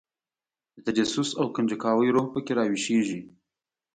د تجسس او کنجکاوۍ روح په کې راویښېږي.